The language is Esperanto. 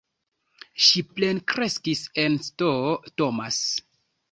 Ŝi plenkreskis en St. Thomas.